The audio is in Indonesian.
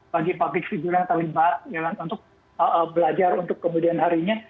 bagi public figure yang terlibat untuk belajar untuk kemudian harinya